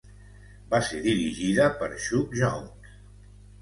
Va ser dirigida per Chuck Jones.